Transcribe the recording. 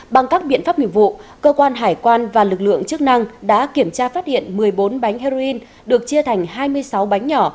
bằng các biện pháp nghiệp vụ cơ quan hải quan và lực lượng chức năng đã kiểm tra phát hiện một mươi bốn bánh heroin được chia thành hai mươi sáu bánh nhỏ